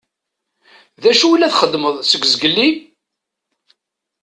D acu i la txeddmeḍ seg zgelli?